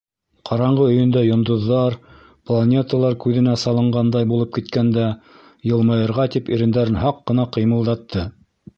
Ҡараңғы өйөндә йондоҙҙар, планеталар күҙенә салынғандай булып киткәндә йылмайырға тип ирендәрен һаҡ ҡына ҡыймылдатты.